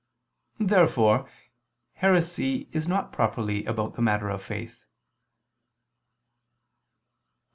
] Therefore heresy is not properly about the matter of faith. Obj.